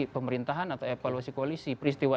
pemerintahan atau evaluasi koalisi peristiwa